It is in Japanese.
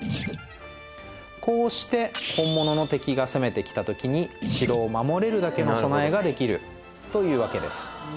こうして本物の敵が攻めてきた時に城を守れるだけの備えができるというわけです